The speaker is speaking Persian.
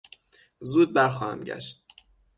زود برخواهم گشت.